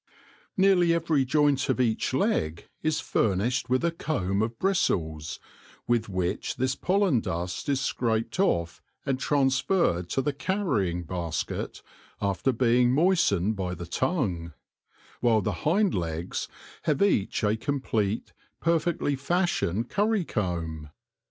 Nearly every joint of each leg is furnished with a comb of bristles, with which this pollen dust is scraped off and transferred to the carrying basket after being moistened by the tongue ; while the hind legs have each a complete, perfectly fashioned curry comb.